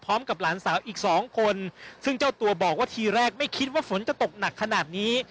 พร้อมกับหลานสาวอีกสองคนซึ่งเจ้าตัวบอกว่าทีแรกไม่คิดว่าฝนจะตกหนักขนาดนี้